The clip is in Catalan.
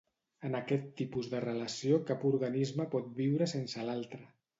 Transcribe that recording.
En aquest tipus de relació cap organisme pot viure sense l'altre.